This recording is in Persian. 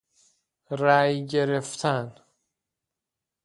رآی گرفتن